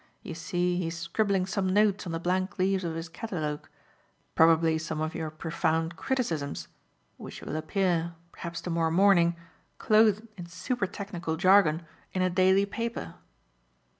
"You see he is scribbling some notes on the blank leaves of his catalogue; probably some of your profound criticisms, which will appear, perhaps to morrow morning, clothed in super technical jargon, in a daily paper."